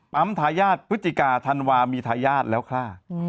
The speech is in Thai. ปั๊มธาญาติพฤติกาธัณวามีธาญาติแล้วค่ะ